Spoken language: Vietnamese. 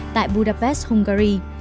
tại budapest hungary